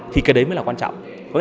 thì cái đấy mới là quan trọng